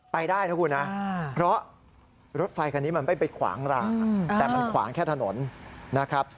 ไปได้นะคุณนะเพราะรถไฟคันนี้มันไม่ไปขวางราแต่มันขวางแค่ถนนนะครับ